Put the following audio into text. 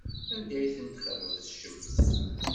Anda ay ten-txebcemt?